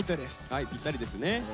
はいぴったりですね。